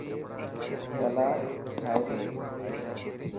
تلا ٺائي ڏي.